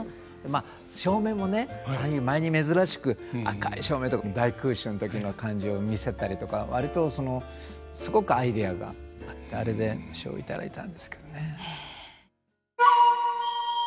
まあ照明もねああいう舞に珍しく赤い照明とか大空襲の時の感じを見せたりとか割とすごくアイデアがあってあれで賞を頂いたんですけどね。